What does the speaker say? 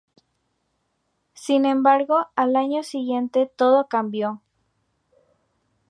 Sin embargo al año siguiente todo cambió.